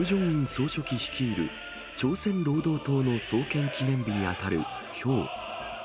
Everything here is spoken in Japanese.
総書記率いる朝鮮労働党の創建記念日に当たるきょう。